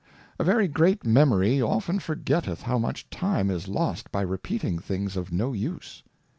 A veiy great Memory often forgetteth how much Time is lost by repeating things of no Use.